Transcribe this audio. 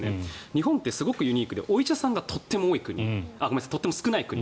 日本ってすごくユニークでお医者さんがとても少ない国。